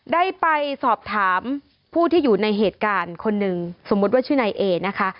ได้ไปสอบถามผู้ที่อยู่ในเหตุการณ์คนหนึ่งสมมุติว่าชื่อนายเอนะคะ